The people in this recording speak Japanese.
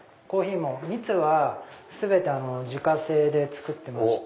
蜜は全て自家製で作ってまして。